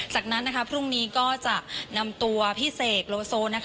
จากนั้นพรุ่งนี้ก็จะนำตัวพี่เสกโลโซ